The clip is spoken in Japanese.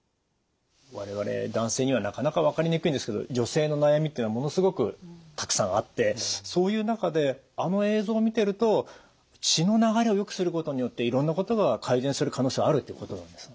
我々男性にはなかなか分かりにくいんですけど女性の悩みっていうのはものすごくたくさんあってそういう中であの映像を見てると血の流れをよくすることによっていろんなことが改善する可能性はあるっていうことなんですか。